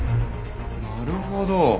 なるほど。